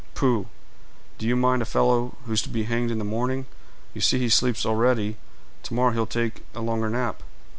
"Pooh! Do you mind a fellow who's to be hanged in the morning? You see he sleeps already; to morrow he'll take a longer nap."